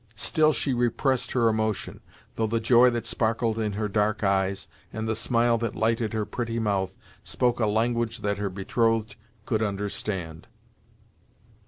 Still she repressed her emotion, though the joy that sparkled in her dark eyes, and the smile that lighted her pretty mouth, spoke a language that her betrothed could understand.